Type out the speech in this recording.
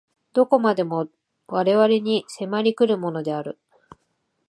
何処までも我々に迫り来るものである。